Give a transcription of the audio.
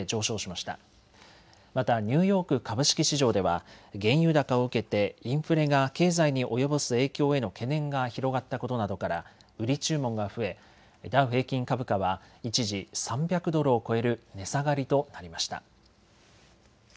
またニューヨーク株式市場では原油高を受けてインフレが経済に及ぼす影響への懸念が広がったことなどから売り注文が増えダウ平均株価は一時、３００ドルを超える値下がりとなりました。